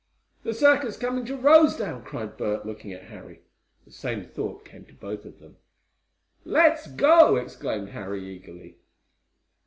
"The circus coming to Rosedale!" cried Bert, looking at Harry. The same thought came to both of them. "Let's go!" exclaimed Harry, eagerly.